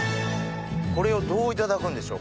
これをどういただくんでしょうか？